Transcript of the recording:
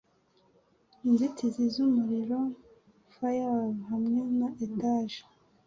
Inzitizi zumuriro firewall hamwe na etage